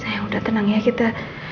saya udah tenang ya kita